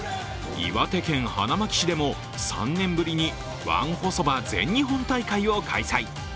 岩手県花巻市でも３年ぶりにわんこそば全日本大会を開催。